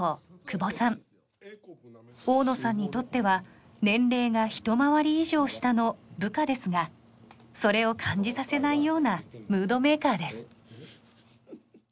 大野さんにとっては年齢がひと回り以上下の部下ですがそれを感じさせないようなムードメーカーです。